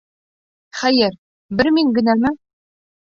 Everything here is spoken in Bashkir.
Хәйер, бер мин генәме?